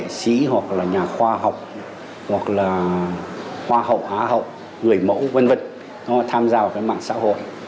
đệ sĩ hoặc là nhà khoa học hoặc là hoa hậu á hậu người mẫu v v tham gia vào mạng xã hội